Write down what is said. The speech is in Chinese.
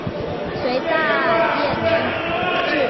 隋大业元年置。